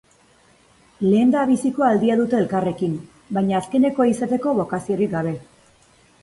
Lehendabiziko aldia dute elkarrekin, baina azkenekoa izateko bokaziorik gabe.